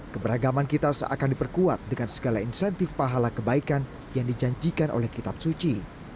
keberagaman kita seakan diperkuat dengan segala insentif pahala kebaikan yang dijanjikan oleh kitab suci